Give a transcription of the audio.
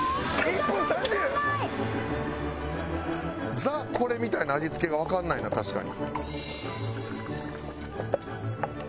「ザ・これ」みたいな味付けがわからないな確かに。